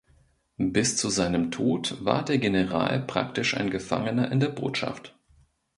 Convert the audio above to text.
Bis zu seinem Tod war der General praktisch ein Gefangener in der Botschaft.